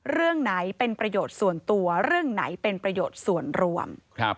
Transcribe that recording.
เรื่องไหนเป็นประโยชน์ส่วนตัวเรื่องไหนเป็นประโยชน์ส่วนรวม